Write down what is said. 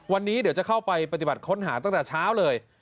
วันนี้เดี๋ยวจะเข้าไปปฏิบัติค้นหาตั้งแต่เช้าเลย